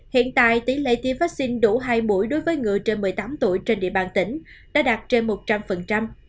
hiện tại tỷ lệ tiêm vaccine đủ hai buổi đối với người trên một mươi tám tuổi trên địa bàn tỉnh đã đạt trên một trăm linh